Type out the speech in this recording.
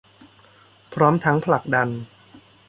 พร้อมทั้งผลักดัน